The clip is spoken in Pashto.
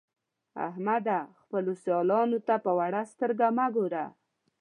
احمده! خپلو سيالانو ته په وړه سترګه مه ګوه.